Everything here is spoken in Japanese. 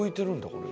これ。